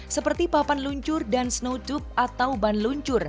seperti papan luncur dan snow tube atau ban luncur